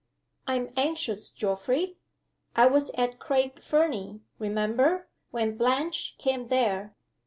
"I am anxious, Geoffrey. I was at Craig Fernie, remember, when Blanche came there!